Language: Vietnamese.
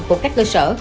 của các cơ sở